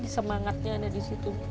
semangatnya ada disitu